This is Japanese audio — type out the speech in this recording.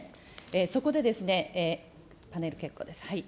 そこでですね、パネル結構です。